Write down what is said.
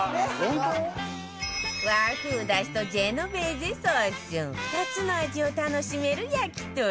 和風出汁とジェノベーゼソース２つの味を楽しめる焼き鳥